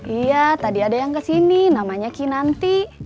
iya tadi ada yang kesini namanya kinanti